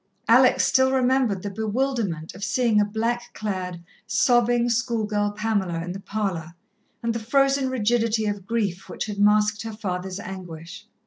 Alex still remembered the bewilderment of seeing a black clad, sobbing, schoolgirl Pamela in the parlour, and the frozen rigidity of grief which had masked her father's anguish.